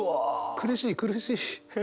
苦しい苦しい。